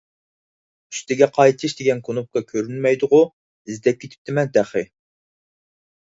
«ئۈستىگە قايتىش» دېگەن كۇنۇپكا كۆرۈنمەيدىغۇ؟ ئىزدەپ كېتىپتىمەن تېخى.